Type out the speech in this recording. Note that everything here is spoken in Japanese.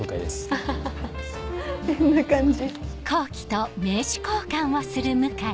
アハハ変な感じ。